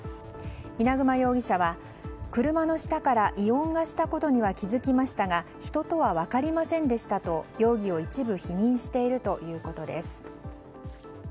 稲熊容疑者は車の下から異音がしたことには気づきましたが人とは分かりませんでしたと容疑を一部否認しているということです。